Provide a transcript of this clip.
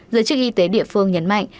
giới chức y tế địa phương nhấn mạnh